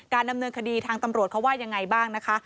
ดำเนินคดีทางตำรวจเขาว่ายังไงบ้างนะคะ